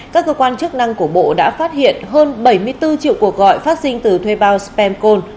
các cơ quan chức năng của bộ đã phát hiện hơn bảy mươi bốn triệu cuộc gọi phát sinh từ thuê bao spamcon